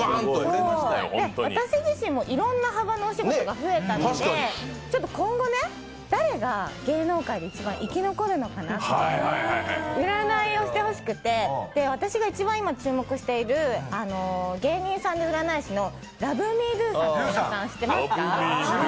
私自身もいろんな幅のお仕事が増えたので、今後、誰が一番生き残るのかなという占いをしてほしくて、私が一番今注目している芸人さんで占い師のＬｏｖｅＭｅＤｏさん知ってますか？